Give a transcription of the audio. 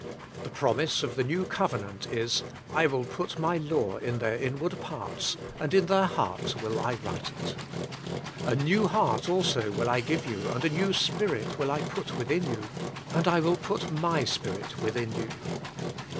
The promise of the new covenant is : "I will put My law in Their Inward Parts and in Their Hearts will I write it.^' "A new heart also will I give you and a new spirit will I put Within You and I will put my Spirit Within You.''